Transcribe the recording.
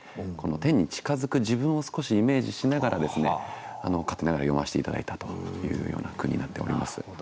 天に近づく自分を少しイメージしながら勝手ながら詠ませて頂いたというような句になっております。